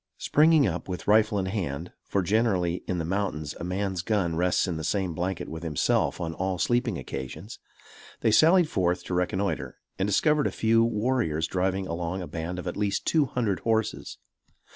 Springing up, with rifle in hand for generally in the mountains a man's gun rests in the same blanket with himself on all sleeping occasions they sallied forth to reconnoitre, and discovered a few warriors driving along a band of at least two hundred horses.